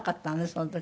その時。